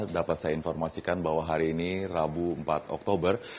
dapat saya informasikan bahwa hari ini rabu empat oktober